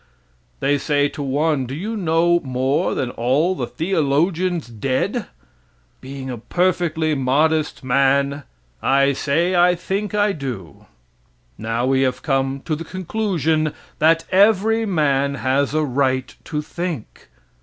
They say to one, do you know more than all the theologians dead? Being a perfectly modest man I say I think I do. Now we have come to the conclusion that every man has a right to think.